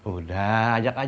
udah ajak aja makan di luar